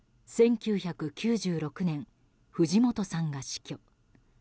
１９９６年、藤本さんが死去。